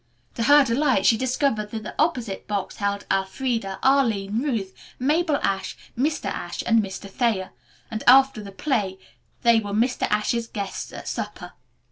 To her delight she discovered that the opposite box held Elfreda, Arline, Ruth, Mabel Ashe, Mr. Ashe and Mr. Thayer, and after the play they were Mr. Ashe's guests at supper.